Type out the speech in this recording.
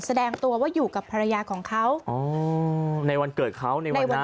แปลงตัวว่าอยู่กับภรรยาของเขาในวันเกิดเขา